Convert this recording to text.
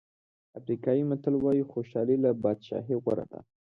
افریقایي متل وایي خوشالي له بادشاهۍ غوره ده.